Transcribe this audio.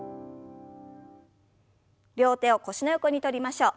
両手を腰の横に取りましょう。